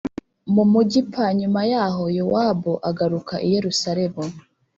mu mugi p nyuma yaho yowabu agaruka i yerusalemu